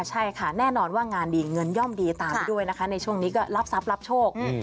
ใช่ค่ะแน่นอนว่างานดีเงินย่อมดีตามไปด้วยนะคะในช่วงนี้ก็รับทรัพย์รับโชค